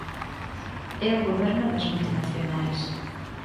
É o goberno das multinacionais.